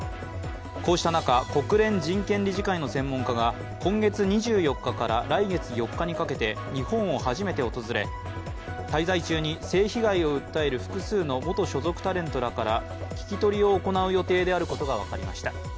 こうした中、国連人権理事会の専門家が今月２４日から来月４日にかけて日本を初めて訪れ滞在中に性被害を訴える、複数の元所属タレントらから聞き取りを行う予定であることが分かりました。